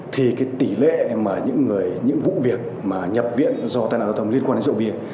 thì tỷ lệ những vụ việc nhập viện do tai nạn giao thông liên quan đến rượu bia